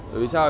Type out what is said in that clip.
rồi vì sao